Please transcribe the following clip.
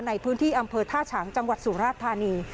ในพื้นที่อำเภอท่าฉางจังหวัดสุราชธานี